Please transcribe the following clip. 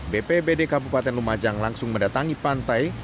bpbd kabupaten lumajang langsung mendatangi pantai